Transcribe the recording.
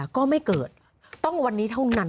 ก็ไม่เกิดต้องวันนี้เท่านั้น